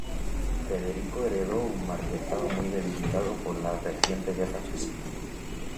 Federico heredó un marquesado muy debilitado por la reciente guerra civil.